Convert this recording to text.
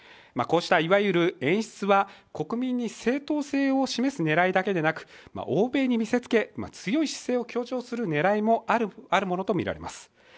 こうしたいわゆる演出は、国民に正当性を示す狙いだけでなく欧米に見せつけ、強い姿勢を強調する狙いもあるものとみられます。